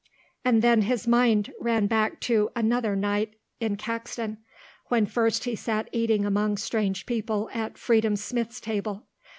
And then his mind ran back to another night in Caxton when first he sat eating among strange people at Freedom Smith's table.